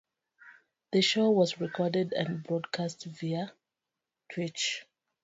The show was recorded and broadcast via Twitch.